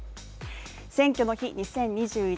「選挙の日２０２１」